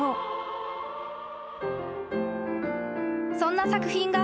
［そんな作品が］